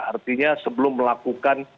artinya sebelum melakukan